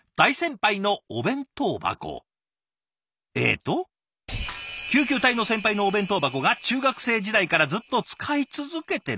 えっと「救急隊の先輩のお弁当箱が中学生時代からずっと使い続けてる」。